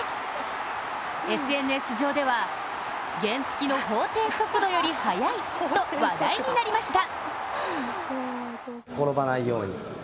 ＳＮＳ上では、原付の法定速度より速いと話題になりました。